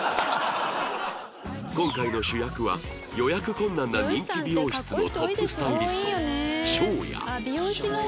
今回の主役は予約困難な人気美容室のトップスタイリストショウヤ